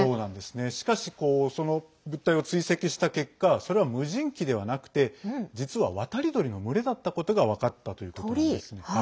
しかし、その物体を追跡した結果それは無人機ではなくて実は、渡り鳥の群れだったことが分かったということなんですね。